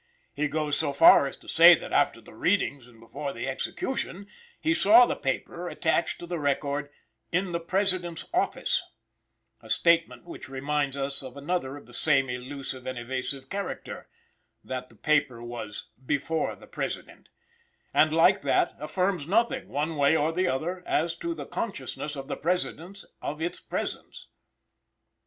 He goes so far as to say that, after the findings and before the execution, he saw the paper attached to the record "in the President's office;" a statement which reminds us of another of the same elusive and evasive character, (that the paper was "before the President"), and, like that, affirms nothing one way or the other as to the consciousness of the President of its presence.